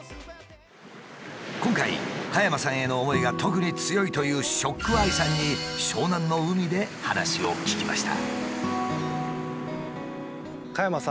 今回加山さんへの思いが特に強いというＳＨＯＣＫＥＹＥさんに湘南の海で話を聞きました。